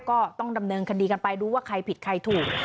ก็ต้องดำเนินคดีกันไปดูว่าใครผิดใครถูก